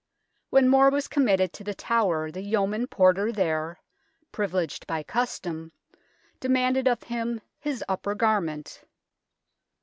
When More was committed to The Tower the Yeoman Porter there, privileged by custom, demanded of him his upper garment.